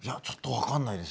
分かんない？